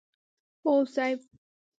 هو صيب!